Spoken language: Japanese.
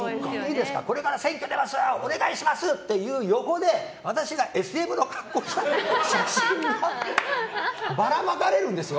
これから選挙出ますお願いします！という横で私がＳＭの格好をした写真がばらまかれるんですよ。